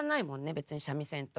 別に三味線と。